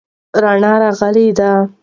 رڼا راغلې ده.